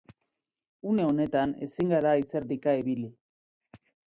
Une honetan ezin gara hitzerdika ibili.